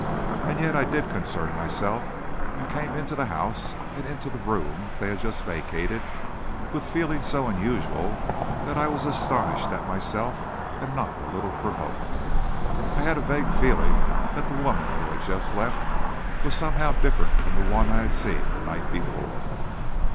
And yet I did concern myself, and came into the house and into the room they had just vacated, with feelings so unusual that I was astonished at myself, and not a little provoked. I had a vague feeling that the woman who had just left was somehow different from the one I had seen the night before.